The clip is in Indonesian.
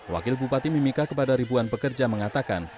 wakil bupati mimika kepada ribuan pekerja mengatakan